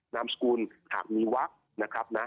นามสกุลถ้ามีวักตร์